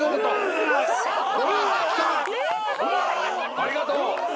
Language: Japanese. ありがとう。